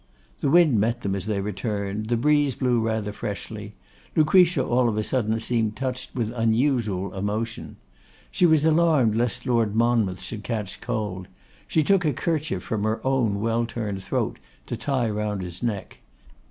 The wind met them as they returned, the breeze blew rather freshly. Lucretia all of a sudden seemed touched with unusual emotion. She was alarmed lest Lord Monmouth should catch cold; she took a kerchief from her own well turned throat to tie round his neck.